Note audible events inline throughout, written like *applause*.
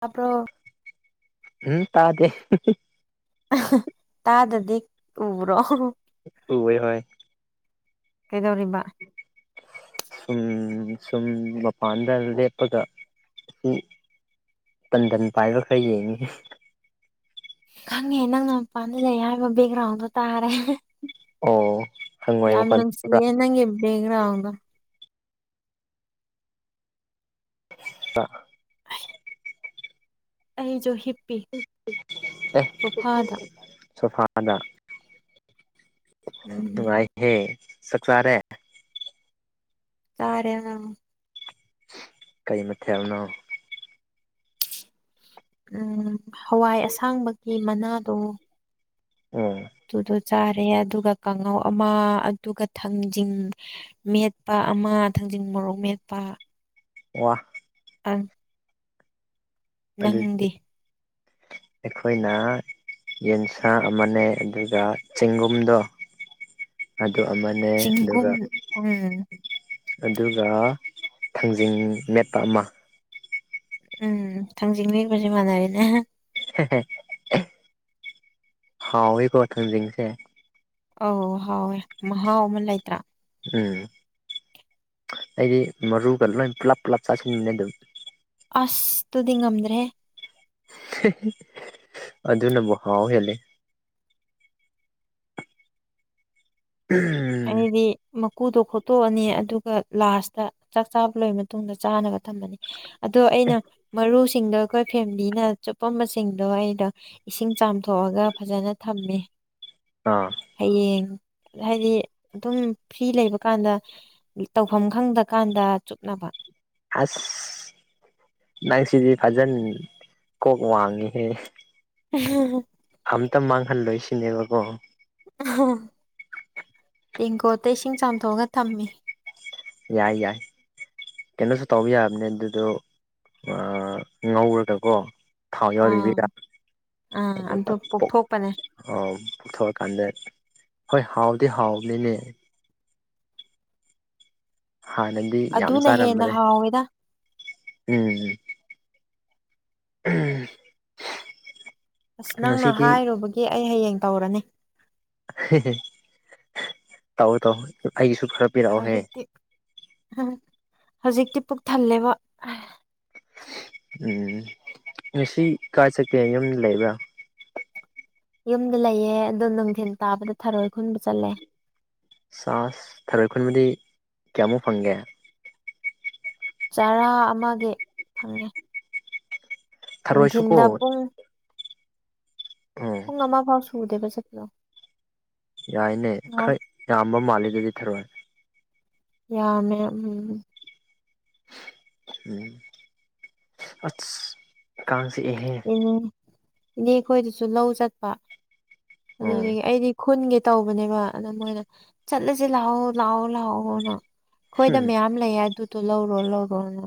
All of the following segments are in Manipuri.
ꯇꯞ꯭ꯔꯣ ꯎ ꯇꯥꯗꯦ ꯇꯥꯗꯗꯤ ꯎꯕ꯭ꯔꯣ ꯍꯣꯏ ꯍꯣꯏ ꯀꯩꯗꯧꯔꯤꯕ ꯁꯨꯝ ꯁꯨꯝ ꯃꯄꯥꯟꯗ ꯂꯦꯞꯄꯒ ꯑꯁꯤ ꯇꯟꯊꯟ ꯄꯥꯏꯕ ꯈꯔ ꯌꯦꯡꯉꯤ ꯈꯪꯉꯦ ꯅꯪꯅ ꯃꯄꯥꯟꯗ ꯂꯩ ꯍꯥꯏꯕ ꯕꯦꯛꯒ꯭ꯔꯥꯎꯟꯗꯣ ꯇꯥꯔꯦ ꯑꯣ ꯍꯪꯉꯣꯏ ꯌꯥꯝ ꯃꯈꯣꯟ ꯅꯪ ꯁꯤ ꯕ꯭ꯔꯥ ꯌꯦ ꯅꯪ ꯕꯒ꯭ꯔ ꯍꯧꯒ ꯑ ꯑꯩꯁꯨꯣ ꯍ ꯑꯦ ꯁꯣꯐꯥꯗ ꯎꯝ ꯅꯨꯡꯉꯥꯏꯍꯦ ꯆꯛ ꯆꯥꯔꯦ ꯇꯔꯦ ꯀꯩ ꯃꯊꯦꯜꯅꯣ ꯎ ꯍꯋꯥꯏ ꯑꯁꯥꯡꯕꯒꯤ ꯃꯅꯥꯗꯣ ꯎꯝ ꯑꯗꯨꯨꯗꯣ ꯆꯥꯔꯦ ꯑꯗꯨꯒ ꯀꯥꯡꯉꯧ ꯑꯃ ꯑꯗꯨꯒ ꯊꯥꯡꯖꯤꯡ ꯃꯦꯠꯄ ꯑꯃ ꯊꯥꯡꯖꯤꯡ ꯃꯣꯔꯣꯛ ꯃꯦꯠꯄ ꯋꯥ ꯑꯝ ꯑꯗꯨꯗꯤ ꯑꯩꯈꯣꯏꯅ ꯌꯦꯟꯁꯥꯡ ꯃꯅꯦ ꯑꯗꯨꯒ ꯆꯦꯡꯒꯨꯝꯗ ꯑꯗꯨ ꯑꯃꯅꯦ ꯆꯤꯡꯒꯨꯝ ꯑꯗꯨꯒ ꯎꯝ ꯑꯗꯨꯒ ꯊꯥꯡꯖꯤꯡ ꯃꯦꯠꯄ ꯑꯃ ꯎꯝ ꯈꯥꯡꯖꯤꯡ ꯃꯦꯠꯄꯁꯦ ꯃꯥꯟꯅꯔꯦꯅꯦ ꯍꯦ ꯍꯦ ꯍꯥꯎꯋꯥꯀꯣ ꯈꯥꯡꯖꯤꯡꯁꯦ ꯑꯣ ꯍꯥꯎꯋꯦ ꯃꯍꯥꯎ ꯑꯃꯥ ꯂꯩꯇ꯭ꯔꯥ ꯎꯝ ꯑꯩꯗꯤ ꯃꯔꯨꯒ ꯂꯣꯏ ꯄꯨꯂꯞ ꯄꯨꯂꯞ ꯆꯥꯁꯤꯟꯕꯅꯦ ꯑꯗꯨꯝ ꯑꯁꯇꯨꯗꯤ ꯉꯝꯗ꯭ꯔꯦ ꯑꯗꯨꯅꯕꯨ ꯍꯥꯎ ꯍꯦꯂꯦ ꯎꯝ ꯑꯗꯤ ꯃ ꯎ ꯀꯨꯗꯣ ꯈꯣꯠꯇꯣꯛꯑꯅꯤ ꯑꯗꯨꯒ ꯂꯥꯁꯇ ꯆꯥꯛ ꯆꯥꯕ ꯂꯣꯏꯔ ꯃꯇꯨꯡꯗ ꯆꯥꯅꯕ ꯊꯝꯃꯅꯤ ꯑꯗꯣ ꯑꯩꯅ ꯃꯔꯨꯁꯤꯡꯗꯣ ꯑꯩꯈꯣꯏ ꯐꯦꯃꯤꯂꯤꯅ ꯆꯨꯞꯄꯝꯕꯁꯤꯡꯗꯣ ꯑꯩꯅ ꯏꯁꯤꯡ ꯆꯥꯝꯊꯣꯛꯑꯒ ꯐꯖꯅ ꯊꯝꯃꯦ ꯑꯥ ꯍꯌꯦꯡ ꯍꯥꯏꯗꯤ ꯑꯗꯨꯝ ꯐ꯭ꯔꯤ ꯂꯩꯕꯀꯥꯟꯗ ꯇꯧꯐꯝ ꯈꯪꯗꯔꯀꯥꯟꯗ ꯆꯨꯞꯅꯕ ꯑꯁ ꯅꯪ ꯁꯤꯗꯤ ꯐꯖꯗꯦ ꯀꯣꯛ ꯋꯥꯡꯉꯤꯍꯦ ꯎꯝ ꯑꯝꯇ ꯃꯥꯡꯍꯜꯂꯣꯏ ꯁꯤꯅꯦꯕꯀꯣ ꯎ ꯇꯦꯡꯀꯣꯠꯇꯩ ꯏꯁꯤꯡ ꯆꯥꯝꯊꯣꯛꯑꯒ ꯊꯝꯃꯤ ꯌꯥꯏ ꯌꯥꯏ ꯀꯩꯅꯣꯁꯨ ꯇꯧꯕ ꯌꯥꯕꯅꯦ ꯑꯗꯨꯗꯣ ꯉꯧꯔꯒꯀꯣ ꯊꯥꯎ ꯑꯥ ꯌꯥꯎꯗꯥꯕꯤꯗ ꯑꯥ ꯑꯗꯨꯒ ꯑꯗꯨ ꯄꯣꯛꯊꯣꯛꯄꯅꯦ ꯑꯥꯎ ꯄꯨꯊꯣꯛ ꯑꯀꯥꯟꯗ ꯍꯣꯏ ꯍꯥꯎꯗꯤ ꯍꯥꯎꯕꯅꯤꯅꯦ ꯍꯥꯟꯅꯗꯤ ꯌꯥꯝ ꯑꯗꯨꯅ ꯍꯦꯟꯅ ꯆꯥꯔꯝꯕꯅꯦ ꯍꯥꯎꯋꯦꯗ ꯎꯝ ꯎꯝ ꯑꯁ ꯅꯪꯅ ꯍꯥꯏꯔꯨꯕꯒꯤ ꯑꯩ ꯍꯌꯦꯡ ꯇꯧꯔꯅꯤ ꯇꯧꯑꯣ ꯇꯧꯑꯣ ꯑꯩꯒꯤꯁꯨ ꯈꯔ ꯄꯤꯔꯛꯑꯣꯍꯦ ꯍꯧꯖꯤꯛꯇꯤ ꯍꯧꯖꯤꯛꯇꯤ ꯄꯨꯛ ꯊꯜꯂꯦꯕ ꯎꯝ ꯉꯁꯤ ꯀꯥꯏ ꯆꯠꯀꯦ ꯌꯨꯝꯗ ꯂꯩꯕ꯭ꯔꯥ ꯌꯨꯝꯗ ꯂꯩꯌꯦ ꯑꯗꯣ ꯅꯨꯡꯊꯤꯟ ꯇꯥꯕꯗ ꯊꯔꯣꯏ ꯈꯨꯟꯕ ꯆꯠꯂꯦ ꯆꯥꯥꯁ ꯊꯔꯣꯏ ꯈꯨꯟꯕꯗꯤ ꯀꯌꯥꯃꯨꯛ ꯐꯪꯒꯦ ꯆꯔꯥ ꯑꯃꯒꯤ ꯐꯪꯉꯦ ꯅꯨꯡꯊꯤꯟꯗ ꯊꯔꯣꯏꯁꯨꯀꯣ ꯄꯨꯡ ꯑꯣ ꯃꯃꯥꯐꯥꯎ ꯁꯨꯗꯦꯕ ꯆꯠꯄꯗꯣ ꯌꯥꯏꯅꯦ ꯈꯔ ꯌꯥꯝꯕ ꯃꯥꯜꯂꯤꯅꯦ ꯊꯔꯣꯏ ꯌꯥꯝꯃꯦ ꯎꯝ ꯎꯝ ꯀꯥꯡ ꯆꯤꯛ ꯑꯍꯦ ꯎ ꯏꯅꯦ ꯈꯣꯏꯗꯁꯨ ꯂꯧ ꯆꯠꯄ ꯎꯝ ꯑꯗꯨꯗꯒꯤ ꯑꯩꯗꯤ ꯈꯨꯟꯒꯦ ꯇꯧꯕꯅꯦꯕ ꯑꯗ ꯃꯣꯏꯅ ꯆꯠꯂꯁꯦ ꯂꯥꯛꯑꯣ ꯂꯥꯛꯑꯣ ꯂꯥꯛꯑꯣꯅ ꯑꯩꯈꯣꯏꯗ ꯃꯌꯥꯝ ꯂꯩꯌꯦ ꯑꯗꯨꯗꯣ ꯂꯧꯔꯣ ꯂꯧꯔꯣꯅ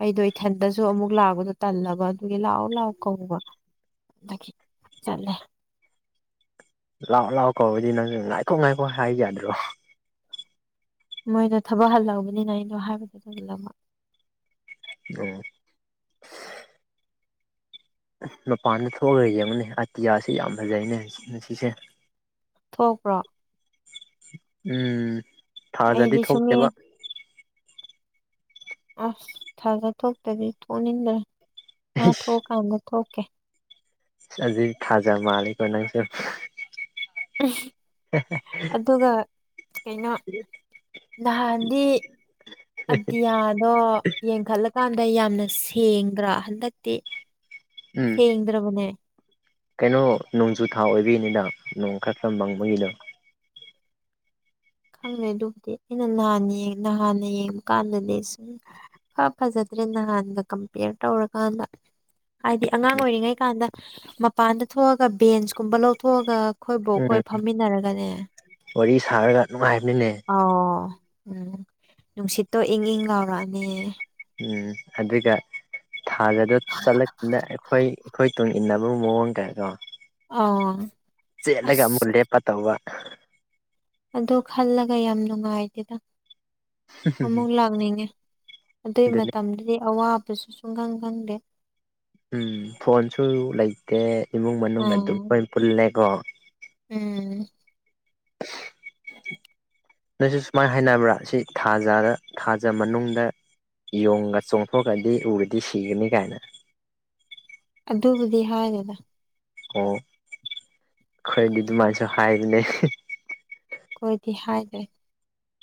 ꯑꯩꯗꯣ ꯏꯊꯟꯇꯁꯨ ꯑꯃꯨꯛ ꯂꯥꯛꯄꯗꯣ ꯇꯜꯂꯒꯕ ꯑꯗꯨꯒꯤ ꯂꯥꯛꯑꯣ ꯂꯥꯛꯑꯣ ꯀꯧꯕ ꯑꯗꯒꯤ ꯆꯠꯂꯦ ꯂꯥꯛꯑꯣ ꯂꯥꯛꯑꯣ ꯀꯧꯕꯗꯤ ꯅꯪꯁꯨ ꯉꯥꯏꯈꯣ ꯉꯥꯏꯈꯣ ꯍꯥꯏꯕ ꯌꯥꯗ꯭ꯔꯣ ꯃꯣꯏꯗꯣ ꯊꯕꯛ ꯍꯜꯂꯛꯑꯕꯅꯤꯅ ꯑꯩꯗꯣ ꯍꯥꯏꯕꯗꯣ ꯑꯗꯨꯝ ꯇꯟꯂꯕ ꯑꯣ ꯃꯄꯥꯟꯗ ꯊꯣꯛꯑꯒ ꯌꯦꯡꯉꯨꯅꯦ ꯑꯇꯤꯌꯥꯁꯤ ꯌꯥꯝ ꯐꯖꯩꯅꯦ ꯉꯁꯤꯁꯦ ꯊꯣꯛꯄ꯭ꯔꯣ ꯎꯝ ꯊꯥꯖꯗꯤ ꯑꯩꯗꯤ ꯁꯨꯝꯃꯦ ꯊꯣꯛꯇꯦꯕ ꯑꯁ ꯊꯥꯖ ꯊꯣꯛꯇꯗꯤ ꯊꯣꯛꯅꯤꯡꯗ꯭ꯔꯦ ꯃꯥ ꯊꯣꯛꯑꯀꯥꯟꯗ ꯊꯣꯛ ꯆꯠꯂꯤ ꯊꯥꯖ ꯃꯥꯜꯂꯤꯀꯣ ꯅꯪꯁꯦ ꯎ *unintelligible* ꯑꯗꯨꯒ ꯀꯩꯅꯣ ꯅꯍꯥꯟꯗꯤ ꯑꯇꯤꯌꯥꯗꯣ ꯌꯦꯡꯈꯠꯂꯀꯥꯟꯗ ꯌꯥꯝꯅ ꯁꯦꯡꯗ꯭ꯔꯥ ꯍꯟꯗꯛꯇꯤ ꯎꯝ ꯁꯦꯡꯗ꯭ꯔꯕꯅꯦ ꯀꯩꯅꯣ ꯅꯣꯡꯖꯨ ꯊꯥ ꯑꯣꯏꯕꯤꯅꯤꯗ ꯅꯣꯡ ꯈꯔꯛꯇ ꯃꯪꯕꯒꯤꯅꯤꯗ ꯈꯪꯅꯦ ꯑꯗꯨꯕꯨꯗꯤ ꯑꯩꯅ ꯅꯍꯥꯟ ꯅꯍꯥꯟꯅ ꯌꯦꯡꯕ ꯀꯥꯟꯗꯗꯤ ꯁꯨꯝ ꯏꯐꯥ ꯐꯖꯗ꯭ꯔꯦꯗ ꯅꯍꯥꯟꯗ ꯀꯝꯄꯦꯌꯔ ꯇꯧꯔꯀꯥꯟꯗ ꯍꯥꯏꯗꯤ ꯑꯉꯥꯡ ꯎꯝ ꯑꯣꯏꯔꯤꯉꯩ ꯀꯥꯟꯗ ꯃꯄꯥꯟꯗ ꯊꯣꯛꯑꯒ ꯕꯦꯟꯁꯀꯨꯝꯕ ꯂꯧꯊꯣꯛꯑꯒ ꯑꯩꯈꯣꯏ ꯎꯝ ꯕꯣꯛꯈꯣꯏ ꯐꯝꯃꯤꯟꯅꯔꯒꯅꯦ ꯋꯥꯔꯤ ꯁꯥꯔꯒ ꯅꯨꯡꯉꯥꯏ ꯍꯥꯏꯕꯅꯤꯅꯦ ꯑꯣ ꯎꯝ ꯅꯨꯡꯁꯤꯠꯇꯣ ꯏꯪ ꯏꯪ ꯂꯥꯎꯔꯛꯑꯅꯦ ꯎꯝ ꯑꯗꯨꯒ ꯊꯥꯖꯗ ꯆꯠꯂ ꯑꯗ ꯑꯩꯈꯣꯏ ꯑꯩꯈꯣꯏ ꯇꯨꯡ ꯏꯟꯅꯕꯒꯤ ꯃꯑꯣꯡ ꯇꯥꯏꯀꯣ ꯑꯥ ꯆꯦꯠꯂꯒ ꯑꯃꯨꯛ ꯑꯁ ꯂꯦꯞꯄ ꯇꯧꯕ ꯑꯗꯨ ꯈꯜꯂꯒ ꯌꯥꯝ ꯅꯨꯡꯉꯥꯏꯇꯦꯗ ꯑꯃꯨꯛ ꯂꯥꯛꯅꯤꯡꯉꯦ ꯑꯗꯨꯏ ꯑꯗꯨꯅꯤ ꯃꯇꯝꯗꯗꯤ ꯑꯋꯥꯕꯁꯨ *unintelligible* ꯎꯝ ꯐꯣꯟꯁꯨ ꯂꯩꯇꯦ ꯏꯃꯨꯡ ꯃꯅꯨꯡ ꯑꯗꯨꯝ ꯎꯝ ꯂꯣꯏ ꯄꯨꯜꯂꯦꯀꯣ ꯎꯝ *inaudible* ꯅꯣꯏꯁꯨ ꯁꯨꯃꯥꯏꯅ ꯍꯥꯏꯅꯕ꯭ꯔꯥ ꯁꯤ ꯊꯥ ꯖꯥꯗ ꯊꯥꯖ ꯃꯅꯨꯡꯗ ꯌꯣꯡꯒ ꯆꯣꯡꯊꯣꯛꯑꯗꯤ ꯎꯔꯗꯤ ꯁꯤꯒꯅꯤ ꯀꯥꯏꯅ ꯑꯗꯨꯕꯨꯗꯤ ꯍꯥꯏꯗꯦꯗ ꯑꯣ ꯈꯣꯏꯗꯤ ꯗꯨꯃꯥꯥꯏꯁꯨ ꯍꯥꯏꯕꯅꯦ ꯈꯣꯏꯗꯤ ꯍꯥꯏꯗꯦ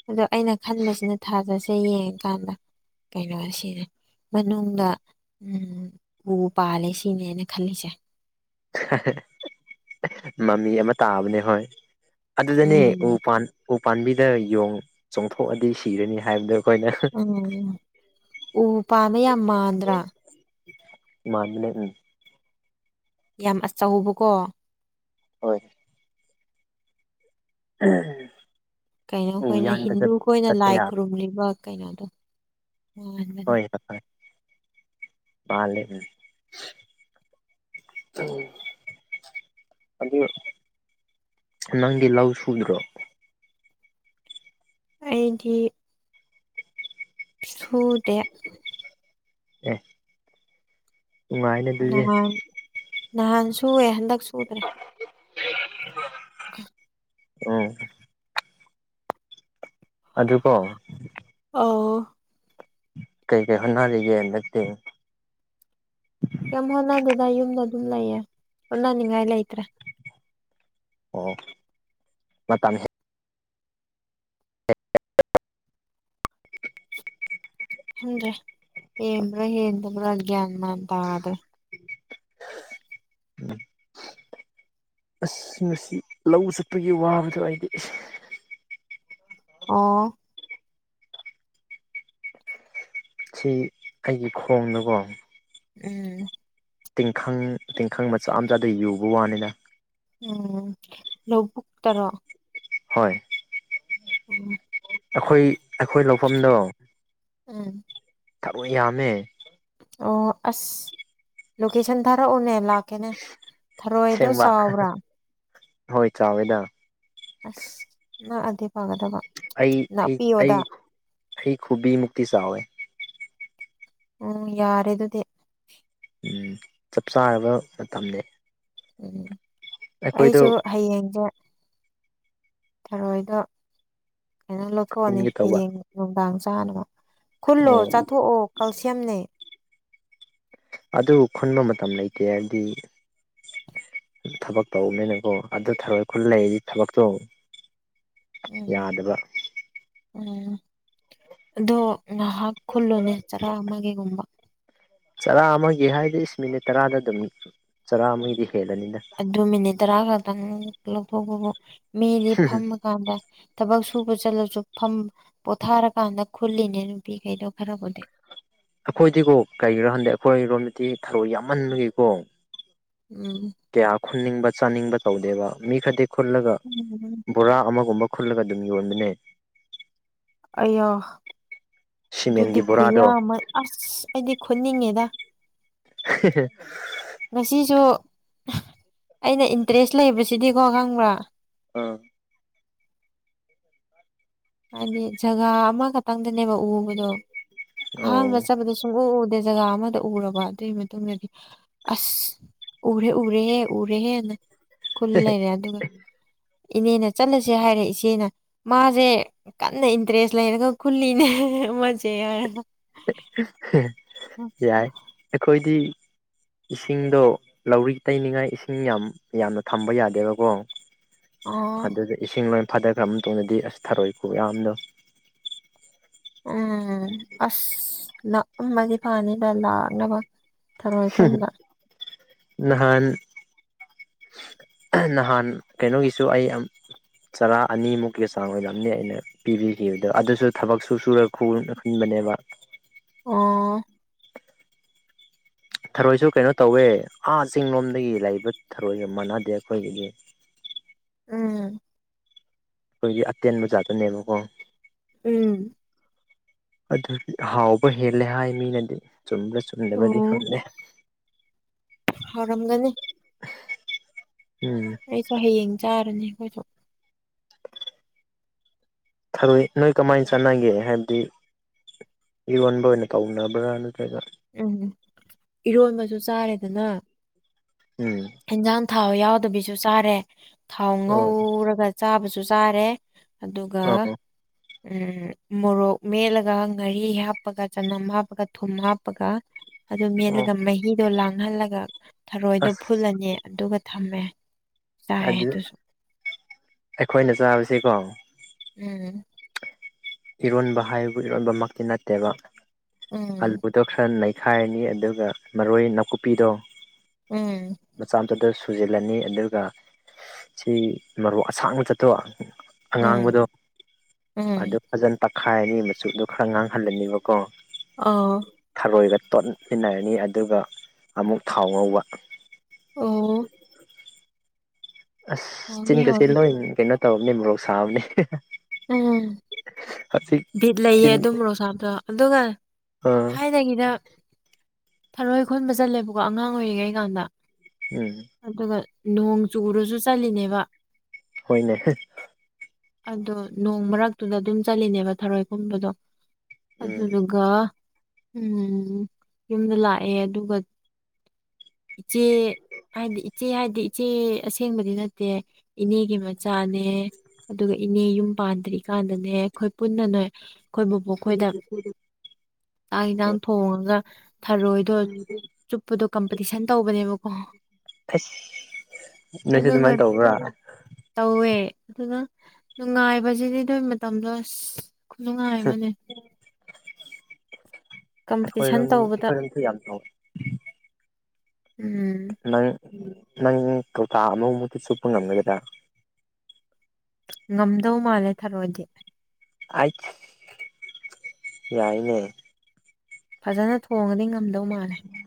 ꯑꯗꯣ ꯑꯩꯅ ꯈꯟꯕꯁꯤꯅ ꯊꯥꯖꯁꯦ ꯌꯦꯡꯉꯀꯥꯟꯗ ꯀꯩꯅꯣ ꯁꯤꯅꯦ ꯃꯅꯨꯡꯗ ꯎꯝ ꯎ ꯄꯥꯜꯂꯦ ꯁꯤꯅꯦ ꯑꯩꯅ ꯈꯜꯂꯤꯁꯦ ꯃꯃꯤ ꯑꯃ ꯇꯥꯕꯅꯦ ꯍꯣꯏ ꯑꯗꯨꯗꯅꯦ ꯎ ꯎꯝ ꯄꯥꯟ ꯎ ꯄꯥꯝꯕꯤꯗ ꯌꯣꯡ ꯆꯣꯡꯊꯣꯛꯑꯗꯤ ꯁꯤꯔꯅꯤ ꯍꯥꯏꯕꯗ ꯎꯝ ꯎ ꯄꯥꯝꯃꯦ ꯌꯥꯝ ꯃꯥꯟꯗ꯭ꯔꯥ ꯃꯥꯟꯕꯅꯦ ꯎꯝ ꯌꯥꯝ ꯑꯆꯧꯕꯀꯣ ꯍꯣꯏ ꯎꯝ ꯀꯩꯅꯣꯈꯣꯏꯅ ꯍꯤꯟꯗꯨ ꯈꯣꯏꯅ ꯆꯠꯄ ꯂꯥꯏ ꯌꯥꯕ ꯈꯨꯔꯨꯝꯂꯤꯕ ꯀꯩꯅꯣꯗꯣ ꯋꯥꯍꯟꯕꯅꯦ ꯍꯣꯏ ꯍꯣꯏ ꯃꯥꯂꯦ ꯎꯝ ꯎꯝ ꯑꯗꯨ ꯅꯪꯗꯤ ꯂꯧ ꯁꯨꯗ꯭ꯔꯣ ꯑꯩꯗꯤ ꯁꯨꯗꯦ ꯑꯦ ꯅꯨꯡꯉꯥꯏꯅ ꯑꯗꯨꯗꯤ ꯅꯍꯥꯟ ꯅꯍꯥꯟ ꯁꯨꯌꯦ ꯍꯟꯗꯛ ꯁꯨꯗ꯭ꯔꯦ ꯑ ꯑꯣ ꯑꯗꯨꯀꯣ ꯑ ꯀꯩ ꯀꯩ ꯍꯣꯠꯅꯔꯤꯒꯦ ꯅꯠꯇꯦ ꯀꯩ ꯍꯣꯠꯅꯗꯅ ꯌꯨꯝꯗ ꯑꯗꯨꯝ ꯂꯩꯌꯦ ꯍꯣꯠꯅꯅꯤꯡꯉꯥꯏ ꯂꯩꯇ꯭ꯔꯦ ꯑꯣ ꯃꯇꯝ ꯍꯦꯛ ꯈ꯭ꯔꯦ ꯌꯦꯕ꯭ꯔꯣ ꯌꯦ ꯇꯕ꯭ꯔꯣꯒꯌꯥꯥꯟꯗ ꯍꯥꯏ꯭ꯔꯦ ꯑꯁ ꯉ ꯂꯧ ꯆꯠꯄꯒꯤ ꯋꯥꯕꯗꯣ ꯑꯩꯗꯤ ꯑꯣ ꯁꯤ ꯑꯩꯒꯤ ꯈꯣꯡꯅꯀꯣ ꯎꯝ ꯇꯤꯡꯈꯪ ꯇꯤꯡꯈꯪ ꯃꯆꯥ ꯃꯆꯥꯗ ꯌꯨꯕ ꯋꯥꯅꯤꯅ ꯎꯝ ꯂꯧꯕꯨꯛ ꯇꯔꯣ ꯍꯣꯏ ꯎꯝ ꯑꯩꯈꯣꯏ ꯑꯩꯈꯣꯏ ꯂꯧꯐꯝꯗꯣ ꯎꯝ ꯊꯕꯛ ꯌꯥꯝꯃꯦ ꯑꯣ ꯑꯁ ꯂꯣꯀꯦꯁꯟ ꯊꯥꯔꯛꯎꯅꯦ ꯂꯥꯛꯀꯦꯅꯦ ꯊꯔꯣꯏꯗꯣ ꯁꯦꯡꯕ ꯆꯥꯎꯕ꯭ꯔꯥ ꯍꯣꯏ ꯆꯥꯎꯋꯦꯗ ꯑꯁ ꯑꯗꯨꯗꯤ ꯐꯥꯒꯗꯕ ꯑꯩ ꯑꯩ ꯑꯩ ꯈꯨꯕꯤꯃꯨꯛꯇꯤ ꯆꯥꯎꯋꯦ ꯎꯝ ꯌꯥꯔꯦ ꯑꯗꯨꯗꯤ ꯎꯝ ꯆꯞ ꯆꯥꯔꯕ ꯃꯇꯝꯅꯦ ꯎꯝ ꯑꯩꯈꯣꯏꯗꯣ ꯑꯩꯁꯨ ꯍꯌꯦꯡꯁꯦ ꯊꯔꯣꯏꯗꯣ ꯀꯩꯅꯣ ꯂꯧꯊꯣꯛꯑꯅꯤ ꯈꯪꯒꯦ ꯇꯧꯕ ꯍꯌꯦꯡ ꯅꯨꯡꯗꯥꯡ ꯆꯥꯅꯕ ꯈꯨꯜꯂꯣ ꯑꯣ ꯆꯥꯊꯣꯛꯑꯣ ꯀꯜꯁꯤꯌꯝꯅꯦ ꯑꯗꯨ ꯈꯨꯟꯕ ꯃꯇꯝ ꯂꯩꯇꯦ ꯍꯥꯏꯗꯤ ꯊꯕꯛ ꯇꯧꯕꯅꯤꯅꯀꯣ ꯑꯗꯨ ꯊꯔꯣꯏ ꯈꯨꯠ ꯂꯩꯔꯤꯗꯤ ꯊꯕꯛꯇꯣ ꯎꯝ ꯌꯥꯗꯕ ꯎꯝ ꯑꯗꯣ ꯉꯍꯥꯛ ꯈꯨꯜꯂꯨꯅꯦ ꯆꯔꯥ ꯑꯃꯒꯤꯒꯨꯝꯕ ꯆꯔꯥ ꯑꯃꯒꯤ ꯍꯥꯏꯗꯤ ꯏꯁ ꯃꯤꯅꯤꯠ ꯇꯔꯥꯗ ꯑꯗꯨꯝ ꯆꯔꯥ ꯑꯃꯒꯤꯗꯤ ꯍꯦꯜꯂꯅꯤꯅ ꯑꯗꯨ ꯃꯤꯅꯤꯠ ꯇꯔꯥ ꯈꯛꯇꯪ ꯂꯧꯊꯣꯛꯄꯕꯨ ꯃꯤꯗꯤ ꯀꯥꯟꯗ ꯊꯕꯛ ꯁꯨꯕ ꯆꯠꯂꯁꯨ ꯐ ꯄꯣꯊꯥꯔꯀꯥꯟꯗ ꯈꯨꯜꯂꯤꯅꯦ ꯅꯨꯄꯤꯈꯩꯗꯣ ꯈꯔꯕꯨꯗꯤ ꯑꯩꯈꯣꯏꯗꯤꯀꯣ ꯀꯔꯤꯒꯤꯔꯣ ꯍꯟꯗꯦ ꯑꯩꯈꯣꯏꯔꯣꯝꯗꯗꯤ ꯊꯔꯣꯏ ꯌꯥꯝꯃꯟꯕꯒꯤꯀꯣ ꯎꯝ ꯀꯌꯥ ꯈꯨꯟꯅꯤꯡꯕ ꯆꯥꯅꯤꯡꯕ ꯇꯧꯗꯦꯕ ꯃꯤ ꯈꯔꯗꯤ ꯈꯨꯜꯂꯒ ꯎꯝ ꯕꯣꯔꯥ ꯑꯃꯒꯨꯝꯕ ꯈꯨꯠꯂꯒ ꯑꯗꯨꯝ ꯌꯣꯟꯕꯅꯦ ꯑꯌꯣ ꯑꯗꯨꯗꯤ ꯁꯤꯃꯦꯟꯒꯤ ꯕꯣꯔꯥꯗꯣ ꯈꯨꯌꯥꯃ ꯑꯁ ꯑꯩꯗꯤ ꯈꯨꯠꯅꯤꯡꯉꯦꯗ *inaudible* ꯉꯁꯤꯁꯨ ꯑꯩꯅ ꯏꯟꯇꯔꯦꯁ ꯂꯩꯕꯁꯤꯗꯤꯀꯣ ꯈꯪꯕ꯭ꯔꯥ ꯑꯥ ꯍꯥꯏꯗꯤ ꯖꯒꯥ ꯑꯃꯈꯛꯇꯪꯗꯅꯦꯕ ꯎꯕꯗꯣ ꯑꯍꯥꯡꯥꯟꯕ ꯆꯠꯄꯗ ꯈꯪꯎ ꯎꯗꯦ ꯖꯒꯥ ꯑꯃꯗ ꯎꯔꯕ ꯑꯗꯨꯒꯤ ꯃꯇꯨꯡꯗꯗꯤ ꯑꯁ ꯎꯔꯦ ꯎꯔꯦꯦ ꯎꯔꯦ ꯍꯦ ꯅ ꯈꯨꯜ ꯂꯩꯔꯦ ꯑꯗꯨꯒ ꯏꯅꯦꯅ ꯆꯠꯂꯁꯦ ꯍꯥꯏꯔꯦ ꯏꯆꯦꯅ ꯃꯥꯁꯦ ꯀꯟꯅ ꯏꯟꯇꯔꯦꯁ ꯂꯩꯔꯒ ꯈꯜꯂꯤꯅꯦ ꯃꯖꯦꯔ ꯌꯥꯏ ꯑꯩꯈꯣꯏꯗꯤ ꯏꯁꯤꯡꯗꯣ ꯂꯧꯔꯤ ꯇꯩꯅꯤꯡꯉꯥꯏ ꯏꯁꯤꯡ ꯌꯥꯝ ꯌꯥꯝꯅ ꯊꯝꯕ ꯌꯥꯗꯦꯕꯀꯣ ꯑꯣ ꯑꯗꯨꯗꯤ ꯏꯁꯤꯡ ꯂꯣꯏ ꯐꯥꯗꯈ꯭ꯔꯕ ꯃꯇꯨꯡꯗꯗꯤ ꯊꯔꯣꯏ ꯈꯨꯌꯥꯝꯗꯣ ꯎꯝ ꯑꯁ ꯂꯥꯛꯑꯝꯃꯗꯤ ꯐꯅꯤꯗ ꯂꯥꯛꯅꯕ ꯊꯔꯣꯏ ꯈꯨꯟꯕ ꯅꯍꯥꯟ ꯅꯍꯥꯟ ꯀꯩꯅꯣꯒꯤꯁꯨ ꯑꯩ ꯌꯥꯝ ꯆꯔꯥ ꯑꯅꯤꯃꯨꯛꯀꯤ ꯆꯥꯡ ꯑꯣꯏꯔꯝꯅꯤ ꯑꯩꯅ ꯄꯤꯕꯤꯈꯤꯕꯗꯣ ꯑꯗꯨꯁꯨ ꯊꯕꯛꯁꯨ ꯁꯨꯔ ꯈꯨ ꯈꯨꯟꯕꯅꯦꯕ ꯑꯣ ꯊꯔꯣꯏꯁꯨ ꯀꯩꯅꯣ ꯇꯧꯋꯦ ꯑꯥ ꯆꯤꯡ ꯂꯣꯝꯗꯒꯤ ꯂꯩꯕ ꯊꯔꯣꯏꯒ ꯃꯥꯟꯅꯗꯦ ꯑꯩꯈꯣꯏꯒꯤꯗꯤ ꯎꯝ ꯑꯩꯈꯣꯏꯒꯤ ꯑꯇꯦꯟꯕ ꯖꯥꯠꯇꯅꯦꯕꯀꯣ ꯎꯝ ꯑꯗꯨꯗꯤ ꯍꯥꯎꯕ ꯍꯦꯜꯂꯦ ꯍꯥꯏ ꯃꯤꯅꯗꯤ ꯆꯨꯝꯕ꯭ꯔꯥ ꯆꯨꯝꯗꯕ꯭ꯔꯥꯗꯤ ꯑꯣ ꯈꯪꯗꯦ ꯍꯥꯎꯔꯝꯒꯅꯤ ꯎꯝ ꯑꯩꯁꯨ ꯍꯌꯦꯡ ꯆꯥꯔꯅꯤ ꯑꯩꯈꯣꯏꯁꯨ ꯊꯔꯣꯏ ꯅꯣꯏ ꯀꯃꯥꯏꯅ ꯆꯥꯟꯅꯒꯦ ꯍꯥꯏꯕꯗꯤ ꯏꯔꯣꯟꯕ ꯑꯣꯢꯅ ꯇꯧꯔꯅꯕ꯭ꯔꯥ ꯅꯠꯇ꯭ꯔꯒ ꯎꯝ ꯏꯔꯣꯟꯕꯁꯨ ꯆꯥꯔꯦꯗꯅ ꯎꯝ ꯏꯟꯖꯥꯡ ꯊꯥꯎ ꯌꯥꯎꯗꯕꯤꯁꯨ ꯆꯥꯔꯦ ꯊꯥꯎ ꯑꯣ ꯉꯧꯔꯒ ꯆꯥꯕꯁꯨ ꯆꯥꯔꯦ ꯑꯗꯨꯒ ꯑꯣ ꯎꯝ ꯃꯣꯔꯣꯛ ꯃꯦꯠꯂꯒ ꯉꯥꯔꯤ ꯍꯥꯞꯄꯒ ꯆꯅꯝ ꯍꯥꯞꯄꯒ ꯊꯨꯝ ꯍꯥꯞꯄꯒ ꯑꯗꯨ ꯑꯣ ꯃꯦꯠꯂꯒ ꯃꯍꯤꯗꯣ ꯂꯥꯡꯍꯜꯂꯒ ꯊꯔꯣꯏꯗꯣ ꯑꯁ ꯐꯨꯜꯂꯅꯤ ꯑꯗꯨꯒ ꯊꯝꯃꯦ ꯆꯥꯏ ꯍꯗꯨ ꯑꯗꯨꯁꯨ ꯑꯩꯈꯣꯏꯅ ꯆꯥꯕꯁꯦꯀꯣ ꯎꯝ ꯏꯔꯣꯟꯕ ꯍꯥꯏꯕꯨ ꯏꯔꯣꯟꯕꯃꯛꯇꯤ ꯅꯠꯇꯦꯕ ꯎꯝ ꯑꯂꯨꯗꯣ ꯈꯔ ꯅꯩꯈꯥꯏꯔꯅꯤ ꯑꯗꯨꯒ ꯃꯔꯣꯏ ꯅꯥꯀꯨꯞꯄꯤꯗꯣ ꯎꯝ ꯃꯆꯥꯗꯨꯗꯁꯨ *inaudible* ꯁꯨꯖꯤꯜꯂꯅꯤ ꯑꯗꯨꯒ ꯁꯤ ꯃꯔꯨ ꯑꯁꯥꯡꯕ ꯆꯠꯇꯣꯕ ꯑꯉꯥꯡꯕꯗꯣ ꯎꯝ ꯑꯗꯨ ꯎꯝ ꯐꯖꯅ ꯇꯛꯈꯥꯏꯔꯅꯤ ꯃꯆꯨꯗꯣ ꯈꯔ ꯉꯥꯡꯍꯜꯂꯅꯤꯕꯀꯣ ꯑꯥꯎ ꯊꯔꯣꯏꯒ ꯇꯣꯠꯃꯤꯟꯅꯔꯅꯤ ꯑꯗꯨꯒ ꯑꯃꯨꯛ ꯊꯥꯎ ꯉꯧꯕ ꯑꯣ ꯑꯁ ꯍꯥꯎꯅꯤ ꯆꯤꯟꯒꯁꯦ ꯍꯥꯎꯅꯤ ꯂꯣꯏ ꯀꯩꯅꯣ ꯇꯧꯕꯅꯦ ꯃꯣꯔꯣꯛ ꯁꯥꯕꯅꯦ ꯎꯝ ꯍꯧꯖꯤꯛ ꯕꯤꯠ ꯂꯩꯌꯦ ꯆꯤꯟ ꯑꯗꯨ ꯃꯣꯔꯣꯛꯁꯥꯕꯗꯣ ꯑꯗꯨꯒ ꯑꯥ ꯊꯥꯏꯅꯒꯤꯗ ꯊꯔꯣꯏ ꯈꯨꯟꯕ ꯆꯠꯂꯦꯕꯀꯣ ꯑꯉꯥꯡ ꯑꯣꯏꯔꯤꯉꯩ ꯀꯥꯟꯗ ꯎꯝ ꯑꯗꯨꯒ ꯅꯣꯡ ꯆꯨꯔꯁꯨ ꯆꯠꯂꯤꯅꯦꯕ ꯍꯣꯏꯅꯦ ꯍꯦ ꯑꯗꯣ ꯅꯣꯡ ꯃꯔꯛꯇꯨꯗ ꯑꯗꯨꯝ ꯆꯠꯂꯤꯅꯦꯕ ꯊꯔꯣꯢ ꯈꯨꯟꯕꯗꯣ ꯎꯝ ꯑꯗꯨꯗꯨꯒ ꯎꯝ ꯌꯨꯝꯗ ꯂꯥꯛꯑꯦ ꯑꯗꯨꯒ ꯢꯆꯦ ꯍꯥꯏꯗꯤ ꯏꯆꯦ ꯍꯥꯏꯗꯤ ꯏꯆꯦ ꯑꯁꯦꯡꯕꯗꯤ ꯅꯠꯇꯦ ꯏꯅꯦꯒꯤ ꯃꯆꯥꯅꯦ ꯑꯗꯨꯒ ꯏꯅꯦ ꯌꯨꯝ ꯄꯥꯟꯗ꯭ꯔꯤꯀꯥꯟꯗꯅꯦ ꯑꯩꯈꯣꯏ ꯄꯨꯟꯅ ꯅꯣꯏ ꯑꯩꯈꯣꯏ ꯕꯨꯕꯣꯛ ꯈꯣꯏꯗ ꯀꯥꯡ ꯎꯝ ꯏꯟꯁꯥꯡ ꯊꯣꯡꯉꯒ ꯊꯔꯣꯏꯗꯣ ꯆꯨꯞꯄꯗꯣ ꯀꯝꯄꯤꯇꯤꯁꯟ ꯇꯧꯕꯅꯦꯕꯀꯣ ꯑꯁ ꯅꯣꯏꯁꯨ ꯑꯗꯨꯒ ꯑꯗꯨꯃꯥꯏ ꯇꯧꯕ꯭ꯔꯥ ꯇꯧꯋꯦ ꯑꯗꯨꯅ ꯅꯨꯡꯉꯥꯏꯕꯖꯤꯗꯤ ꯑꯗꯨꯏ ꯃꯇꯝꯗꯣ ꯑꯁ ꯅꯨꯉꯥꯏꯕꯅꯦ ꯀꯝꯄꯤꯇꯤꯁꯟ ꯑꯩꯈꯣꯏꯔꯣꯝ ꯇꯧꯕꯗ ꯑꯩꯈꯣꯏꯔꯣꯝꯁꯨ ꯌꯥꯝ ꯇꯧ ꯎꯝ ꯅꯪ ꯅꯪ ꯀꯧꯇꯥ ꯑꯃꯃꯨꯛꯇꯤ ꯆꯨꯞꯄ ꯉꯝꯒꯗ꯭ꯔꯥ ꯉꯝꯗꯧ ꯃꯥꯜꯂꯦ ꯊꯔꯣꯢꯗꯤ ꯑꯥꯢ ꯌꯥꯏꯅꯦ ꯐꯖꯅ ꯊꯣꯡꯉꯗꯤ ꯉꯝꯗꯧ ꯃꯥꯜꯂꯦ